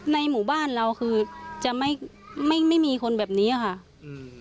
ในหมู่บ้านเราคือจะไม่ไม่ไม่มีคนแบบนี้ค่ะอืม